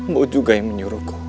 bu juga yang menyuruhku